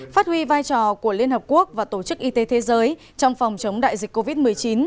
phát huy vai trò của liên hợp quốc và tổ chức y tế thế giới trong phòng chống đại dịch covid một mươi chín